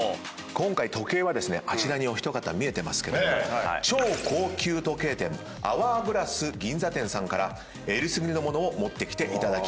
今回時計はですねあちらにお一方見えてますけども超高級時計店アワーグラス銀座店さんからえりすぐりの物を持ってきていただきました。